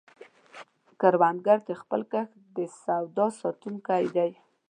کروندګر د خپل کښت د سواد ساتونکی دی